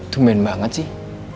tumben banget sih